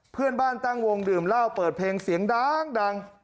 เพื่อนบ้านตั้งวงดื่มเหล้าเปิดเพลงเสียงดัง